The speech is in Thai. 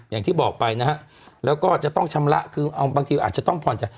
อย่างที่บอกไปนะฮะแล้วก็จะต้องชำระคือบางทีอาจจะต้องผ่อนใจ